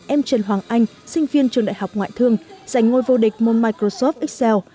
em trần hoàng anh sinh viên trường đại học ngoại thương giành ngôi vô địch môn microsoft excel